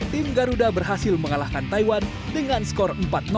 tim garuda berhasil mengalahkan taiwan dengan skor empat